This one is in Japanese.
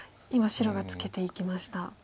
今白がツケていきました。